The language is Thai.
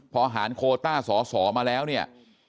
พอหารโคต้าสอสอมาแล้วเนี่ย